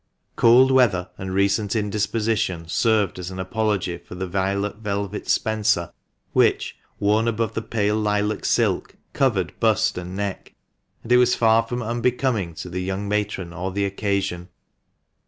Cold weather and recent indisposition served as an apology for the violet velvet spencer which, worn above the pale lilac silk, covered bust and neck ; and it was far from unbecoming to the young matron or the occasion.